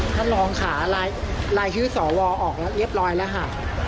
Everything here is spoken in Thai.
ท่านรองค่ะรายชื่อสวออกเรียบร้อยแล้วค่ะ